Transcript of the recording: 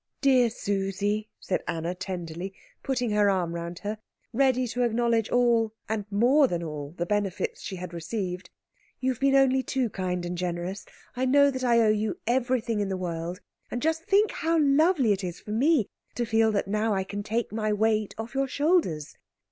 "Dear Susie," said Anna tenderly, putting her arm round her, ready to acknowledge all, and more than all, the benefits she had received, "you have been only too kind and generous. I know that I owe you everything in the world, and just think how lovely it is for me to feel that now I can take my weight off your shoulders!